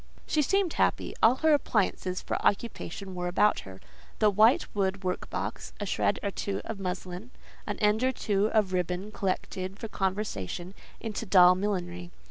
She seemed happy; all her appliances for occupation were about her; the white wood workbox, a shred or two of muslin, an end or two of ribbon collected for conversion into doll millinery.